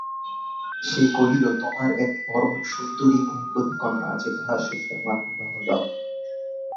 সে কহিল তোমার এক পরম সুন্দরী গুণবতী কন্যা আছে তাহার সহিত আমার বিবাহ দাও।